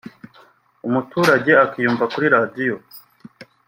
umuturage akiyumva kuri radiyo